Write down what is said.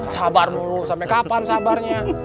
sabar dulu sampai kapan sabarnya